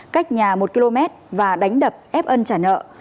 cách nhà một km và đánh đập ép ân trả nợ